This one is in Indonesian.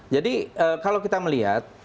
jadi kalau kita melihat